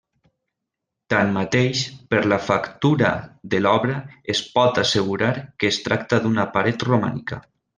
Tanmateix, per la factura de l'obra es pot assegurar que es tracta d'una paret romànica.